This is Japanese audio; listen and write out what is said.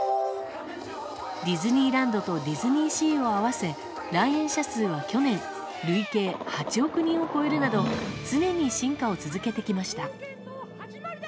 ディズニーランドとディスニーシーを合わせ来園者数は去年累計８億人を超えるなど常に進化を続けてきました。